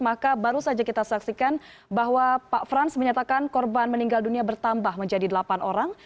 maka baru saja kita saksikan bahwa pak frans menyatakan korban meninggal dunia bertambah menjadi delapan orang